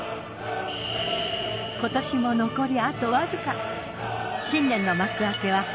今年も残りあとわずか。